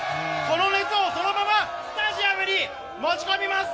この熱をそのままスタジアムに持ち込みます！